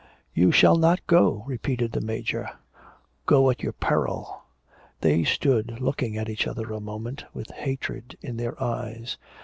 'You shall not go,' repeated the Major. 'Go at your peril.' ... They stood looking at each other a moment with hatred in their eyes.